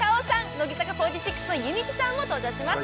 乃木坂４６の弓木さんも登場します